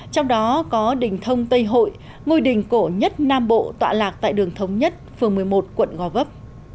trong đó có đình thông tây hội ngôi đình cổ nhất nam bộ tọa lạc tại đường thống nhất phường một mươi một quận gò vấp